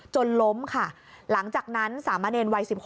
ล้มค่ะหลังจากนั้นสามะเนรวัย๑๖